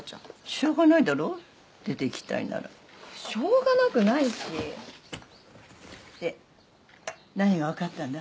しょうがないだろ出ていきたいならしょうがなくないしで何がわかったんだ？